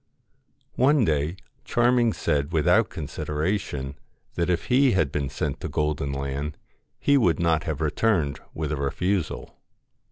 One day Charming said without consideration, that if he had been sent to Golden Land, he would not have returned with a refusal.